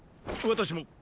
私も。